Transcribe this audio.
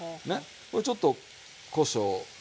これちょっとこしょうを。